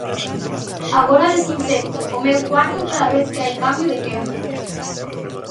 Agora desinfecto o meu cuarto cada vez que hai cambio de quenda.